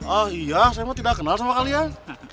ah iya saya mah tidak kenal sama kalian